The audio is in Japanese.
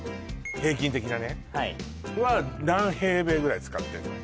平均的なねははい何平米ぐらい使ってるの？